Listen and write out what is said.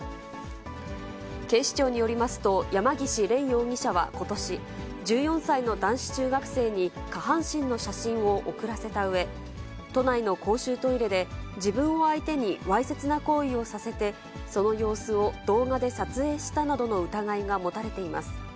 警視庁によりますと、山岸怜容疑者はことし、１４歳の男子中学生に下半身の写真を送らせたうえ、都内の公衆トイレで、自分を相手にわいせつな行為をさせて、その様子を動画で撮影したなどの疑いが持たれています。